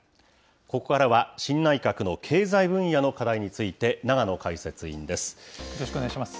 ここからは新内閣の経済分野の課題について、よろしくお願いします。